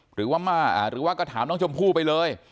หรือว่าก็ถามน้องชมพู่ไปเลย